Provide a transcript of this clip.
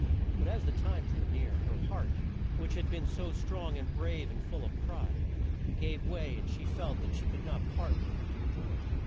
But as the time drew near, her heart, which had been so strong and brave and full of pride, gave way and she felt that she could not part with her dear boy.